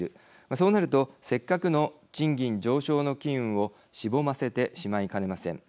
そうなるとせっかくの賃金上昇の機運をしぼませてしまいかねません。